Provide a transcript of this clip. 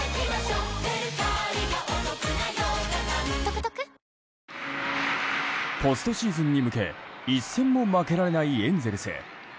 ぷはーっポストシーズンに向け一戦も負けられないエンゼルス。